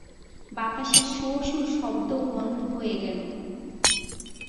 বাতাসের শো-শোঁ শব্দও বন্ধ হয়ে গেল!